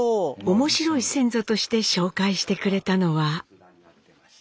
面白い先祖として紹介してくれたのは。